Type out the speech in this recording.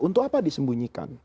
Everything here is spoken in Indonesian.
untuk apa disembunyikan